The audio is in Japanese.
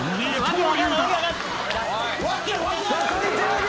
残り１０秒。